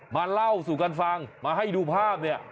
เล่าสู่กันฟังมาให้ดูภาพเนี่ย